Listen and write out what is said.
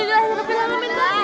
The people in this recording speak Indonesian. ya ampun kita harus ke sini